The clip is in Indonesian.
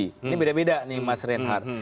ini beda beda nih mas reinhardt